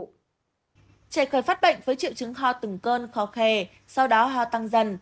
trẻ khởi phát bệnh với triệu chứng ho từng cơn khó khè sau đó ho tăng dần